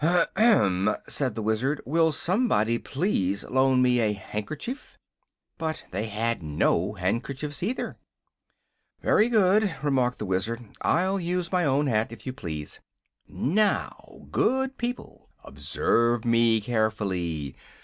"Ahem!" said the Wizard, "will somebody please loan me a handkerchief?" But they had no handkerchiefs, either. "Very good," remarked the Wizard. "I'll use my own hat, if you please. Now, good people, observe me carefully.